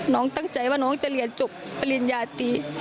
น้องตั้งใจว่าน้องจะเรียนจบปริญญาตรี